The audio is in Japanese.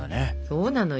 そうなのよ。